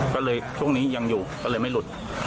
ก็เลยช่วงนี้ยังอยู่ก็เลยไม่หลุด